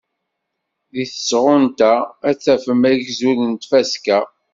Deg tesɣunt-a ad d-tafem agzul n tfaska.